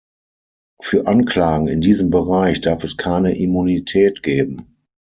Für Anklagen in diesem Bereich darf es keine Immunität geben.